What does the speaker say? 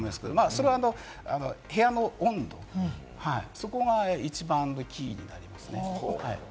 それは部屋の温度、そこが一番のキーになります。